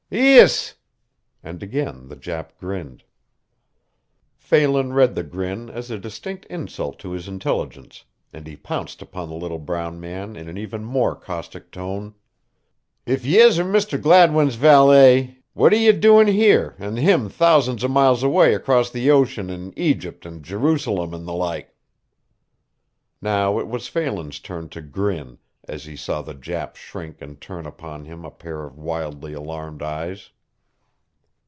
"Ees!" and again the Jap grinned. Phelan read the grin as a distinct insult to his intelligence and he pounced upon the little brown man in an even more caustic tone: "If yez're are Mr. Gladwin's valley, what are ye doin' here an' him thousands o' miles away across the ocean in Agypt an' Jerusalem an' the like?" Now it was Phelan's turn to grin as he saw the Jap shrink and turn upon him a pair of wildly alarmed eyes.